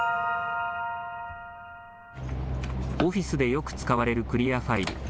オフィスでよく使われるクリアファイル。